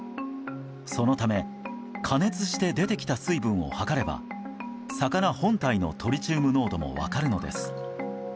そのため加熱して出てきた水分を測れば魚本体のトリチウム濃度も分かるのです。